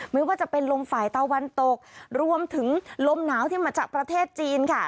ไม่ว่าจะเป็นลมฝ่ายตะวันตกรวมถึงลมหนาวที่มาจากประเทศจีนค่ะ